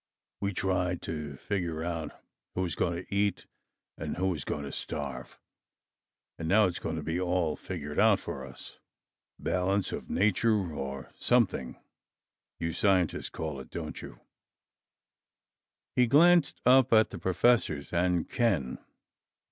We tried to figure out who was going to eat and who was going to starve, and now it's going to be all figured out for us. "Balance of nature, or something, you scientists call it, don't you?" He glanced up at the professors and Ken.